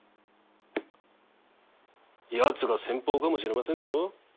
やつが先鋒かもしれませんぞ。